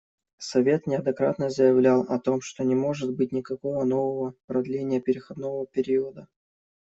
Совет неоднократно заявлял о том, что не может быть никакого нового продления переходного периода.